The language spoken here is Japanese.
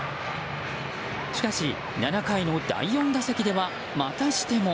しかし、７回の第４打席ではまたしても。